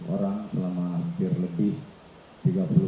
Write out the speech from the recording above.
orang selama hampir lebih